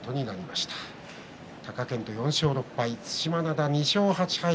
貴健斗、４勝６敗對馬洋、２勝８敗